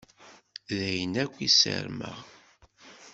D ayen akk i ssarmeɣ.